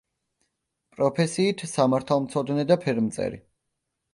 პროფესიით სამართალმცოდნე და ფერმწერი.